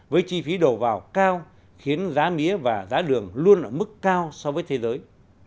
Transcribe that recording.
với chi phí đầu vào cao khiến giá mía và giá đường luôn ở mức cao so với thế giới